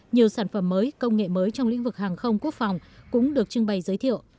nhiều sản phẩm mới công nghệ mới trong lĩnh vực hàng không quốc phòng cũng được trưng bày giới thiệu